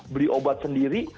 beli obat sendiri